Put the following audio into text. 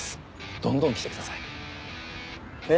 どんどん来てください。ねえ？